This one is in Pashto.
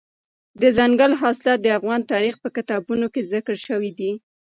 دځنګل حاصلات د افغان تاریخ په کتابونو کې ذکر شوی دي.